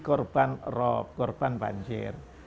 korban rob korban banjir